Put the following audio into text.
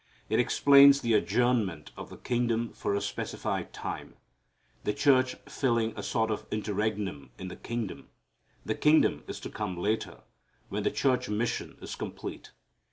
It explains the adjournment of the kingdom for a specified time, the church filling a sort of interregnum in the kingdom. The kingdom is to come later when the church mission is complete.